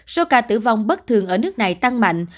số ca tử vong bất thường ở nước này tăng mạnh